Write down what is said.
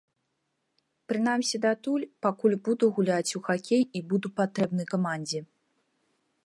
Прынамсі датуль, пакуль буду гуляць у хакей і буду патрэбны камандзе.